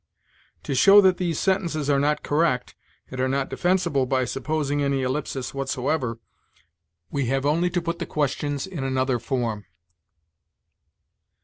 To show that these sentences are not correct, and are not defensible by supposing any ellipsis whatsoever, we have only to put the questions in another form.